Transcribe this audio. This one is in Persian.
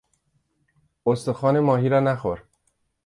استخوان ماهی را نخور!